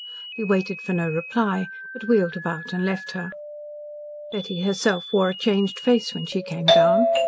He waited for no reply, but wheeled about and left her. Betty herself wore a changed face when she came down.